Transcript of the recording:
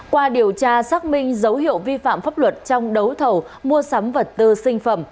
qua điều tra xác minh dấu hiệu vi phạm pháp luật trong đấu thầu mua sắm vật tư sinh phẩm